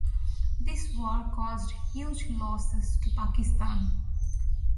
This war caused huge loses to Pakistan.